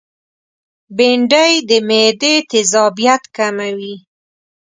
بېنډۍ د معدې تيزابیت کموي